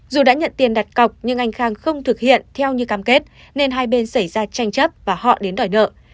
dù đã nhận tiền đặt cọc nhưng anh khang không thực hiện theo như cam kết nên hai bên xảy ra tranh chấp và họ đến đòi nợ